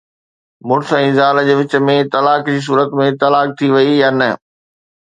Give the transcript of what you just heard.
مڙس ۽ زال جي وچ ۾ طلاق جي صورت ۾ طلاق ٿي وئي يا نه؟